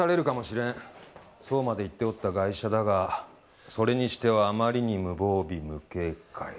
そうまで言っておったガイ者だがそれにしてはあまりに無防備無警戒。